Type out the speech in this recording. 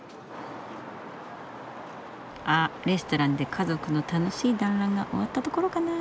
あレストランで家族の楽しい団らんが終わったところかな。